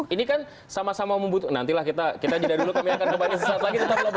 ini kan sama sama membutuhkan nantilah kita kita jeda dulu kami akan kembali sesaat lagi tetap berobosan